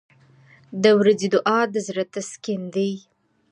• د ورځې دعا د زړه تسکین دی.